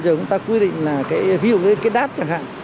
chúng ta quy định là ví dụ cái đát chẳng hạn